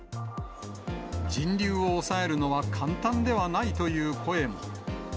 人流を抑えるのは簡単ではないという声も。